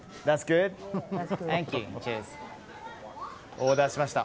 オーダーしました。